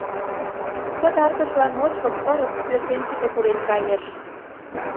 Пытартышлан ночко пырыс пӧртӧнчыкӧ пурен кайыш.